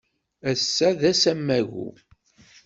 Ass-a d ass amagu.